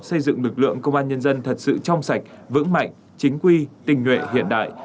xây dựng lực lượng công an nhân dân thật sự trong sạch vững mạnh chính quy tình nguyện hiện đại